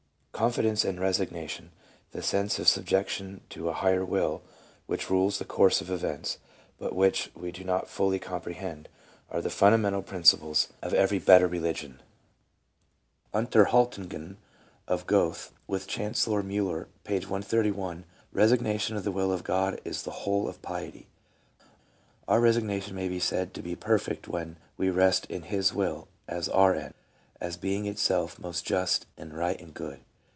Confidence and resignation, the sense of subjection to a higher will which rules the course of events, but which we do not fully comprehend, are the fundamental principles of every better re 328 LEUBA : ligion.— "Unterhaltungen" of Goethe with Chancellor Miiller, p. 131. Resignation to the will of God is the whole of piety Our resignation may be said to be perfect when we rest in His will as our end, as being itself most just and right and good.